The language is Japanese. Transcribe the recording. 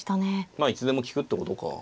まあいつでも利くってことかあ。